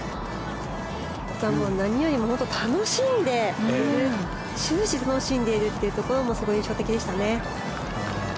あとは何よりも楽しんでいる終始、楽しんでいるというところも印象的でしたね。